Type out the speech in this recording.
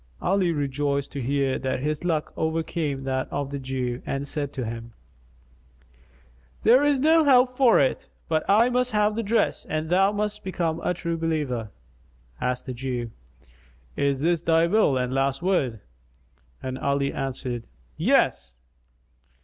Ali rejoiced to hear that his luck overcame that of the Jew and said to him, "There is no help for it but I must have the dress and thou must become a True Believer." Asked the Jew, "Is this thy will and last word," and Ali answered, "Yes."